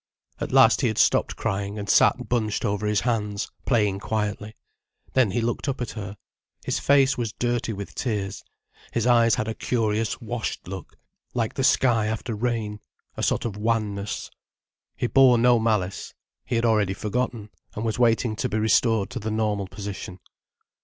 At last he had stopped crying, and sat bunched over his hands, playing quietly. Then he looked up at her. His face was dirty with tears, his eyes had a curious washed look, like the sky after rain, a sort of wanness. He bore no malice. He had already forgotten, and was waiting to be restored to the normal position.